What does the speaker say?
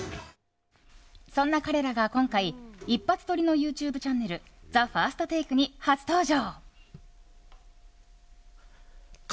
そんな彼らが今回、一発撮りのＹｏｕＴｕｂｅチャンネル「ＴＨＥＦＩＲＳＴＴＡＫＥ」に初登場。